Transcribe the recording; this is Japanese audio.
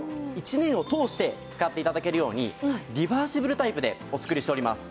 １年を通して使って頂けるようにリバーシブルタイプでお作りしております。